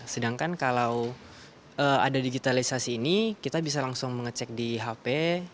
sedangkan kalau ada digitalisasi ini kita bisa langsung mengecek di hp